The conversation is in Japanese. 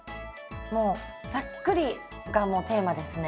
もうざっくりがもうテーマですね。